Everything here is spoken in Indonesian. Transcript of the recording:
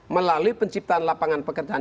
melalui penciptaan lapangan pekerjaan